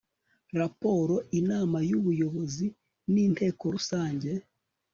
raporo inama y ubuyobozi n inteko rusange